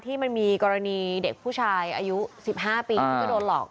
มันมีกรณีเด็กผู้ชายอายุ๑๕ปีที่ก็โดนหลอก